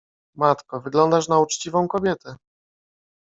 — Matko, wyglądasz na uczciwą kobietę.